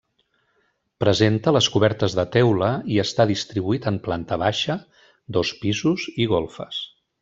Presenta les cobertes de teula i està distribuït en planta baixa, dos pisos i golfes.